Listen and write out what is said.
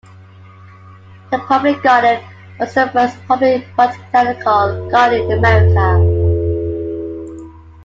The Public Garden was the first public botanical garden in America.